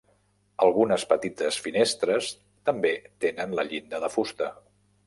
Algunes petites finestres també tenen la llinda de fusta.